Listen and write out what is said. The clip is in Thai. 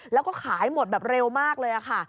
แล้วก็ขายหมดแบบเร็วมากเลยค่ะ